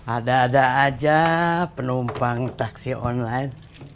ada ada aja penumpang taksi online